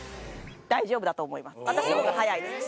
大丈夫だと思います